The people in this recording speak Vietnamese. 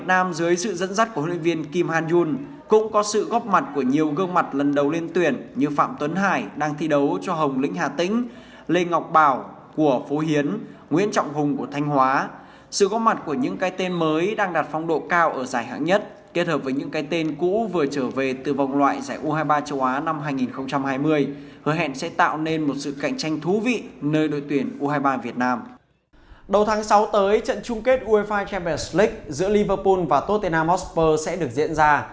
từ đầu tháng sáu tới trận chung kết uefa champions league giữa liverpool và tottenham hotspur sẽ được diễn ra